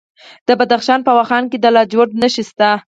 د بدخشان په واخان کې د لاجوردو نښې شته.